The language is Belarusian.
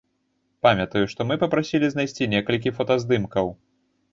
Памятаю, што мы папрасілі знайсці некалькі фотаздымкаў.